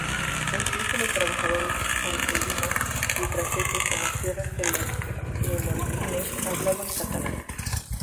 Incluso los trabajadores argelinos y franceses en las tierras de los menorquines hablaban catalán.